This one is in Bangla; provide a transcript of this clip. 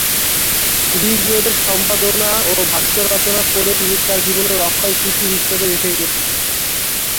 ঋগ্বেদের সম্পাদনা ও ভাষ্য রচনা করে তিনি তার জীবনের অক্ষয় কীর্তি হিসেবে রেখে গেছেন।